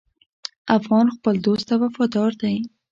افغان خپل دوست ته وفادار دی.